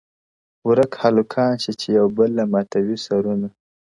ورک هلـــــــــــــکان شه چې يوبل له ماتوي سرونه